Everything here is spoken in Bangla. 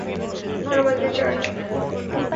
ধন্যবাদ, রিচার্ড।